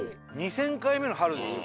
２０００回目の春ですよ。